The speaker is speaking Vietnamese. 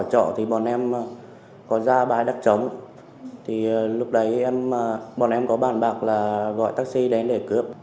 hoàng văn bảo gọi taxi đến để cướp